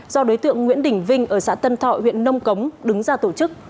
do đối tượng nguyễn đình vinh ở xã tân thọ huyện nông cống đứng ra tổ chức